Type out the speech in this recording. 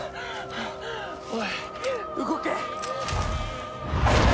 おい動け！